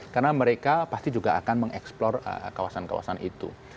karena mereka pasti juga akan mengeksplor kawasan kawasan itu